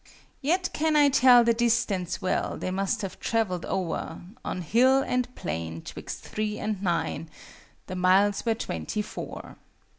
Yet can I tell the distance well They must have travelled o'er: On hill and plain, 'twixt three and nine, The miles were twenty four.